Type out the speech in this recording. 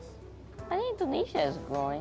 saya pikir indonesia berkembang